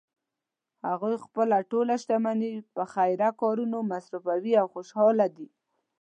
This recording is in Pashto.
هغوی خپله ټول شتمني په خیریه کارونو مصرفوی او خوشحاله دي